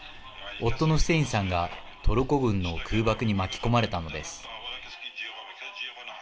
夫のフセインさんがトルコ軍の空爆に巻き込まれたのです。